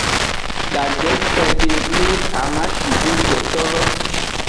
Daje cede le amashideketolo.